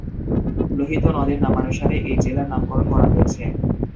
লোহিত নদের নামানুসারে এই জেলার নামকরণ করা হয়েছে।